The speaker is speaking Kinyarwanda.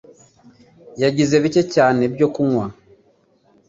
yagize bike cyane byo kunywa.